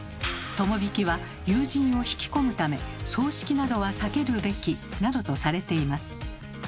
友引は友人を引き込むため葬式などは避けるべきなどとされています。